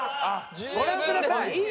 ご覧ください。